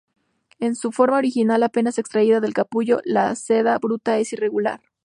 En su forma original apenas extraída del capullo, la seda bruta es irregular.